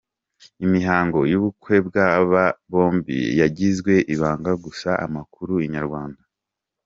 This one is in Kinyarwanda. Imihango y'ubukwe bw'aba bombi yagizwe ibanga gusa amakuru Inyarwanda.